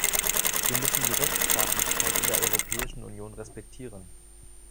Wir müssen die Rechtsstaatlichkeit in der Europäischen Union respektieren.